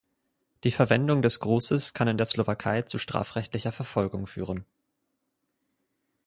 Die Verwendung des Grußes kann in der Slowakei zu strafrechtlicher Verfolgung führen.